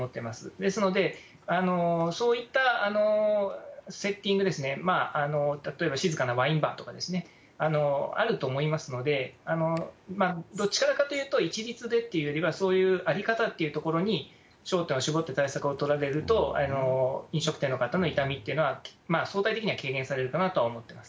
ですので、そういったセッティングですね、例えば静かなワインバーとかですね、あると思いますので、どっちかっていうと、一律でっていうよりは、そういう在り方っていうところに焦点を絞って対策を取られると、飲食店の方の痛みっていうのは、相対的には軽減されるかなとは思っています。